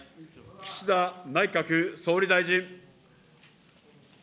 岸田内閣総理大臣。